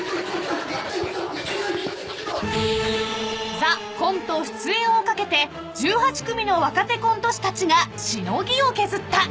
［『ＴＨＥＣＯＮＴＥ』出演を懸けて１８組の若手コント師たちがしのぎを削った］